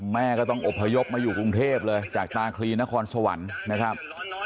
แม่ก็ต้องอบพยพมาอยู่กรุงเทพเลยจากตาคลีนครสวรรค์นะครับ